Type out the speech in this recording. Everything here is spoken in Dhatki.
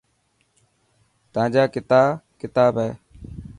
تانجا ڪتا ڪتاب هي.